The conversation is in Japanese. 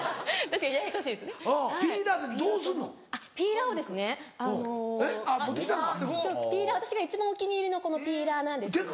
私が一番お気に入りのこのピーラーなんですけど。